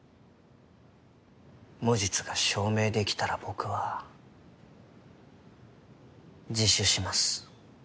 無実が証明できたら僕は自首します。